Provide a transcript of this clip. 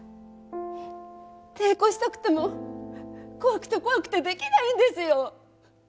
抵抗したくても怖くて怖くて出来ないんですよ！